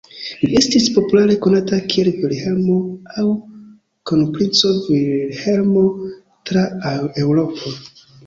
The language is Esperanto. Li estis populare konata kiel Vilhelmo aŭ Kronprinco Vilhelmo tra Eŭropo.